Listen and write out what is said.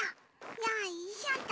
よいしょと。